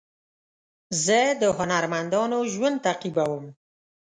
زه د هنرمندانو ژوند تعقیبوم.